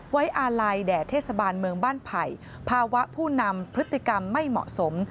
อาลัยแด่เทศบาลเมืองบ้านไผ่ภาวะผู้นำพฤติกรรมไม่เหมาะสม